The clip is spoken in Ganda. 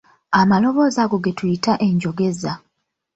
Amaloboozi ago ge tuyita enjogeza.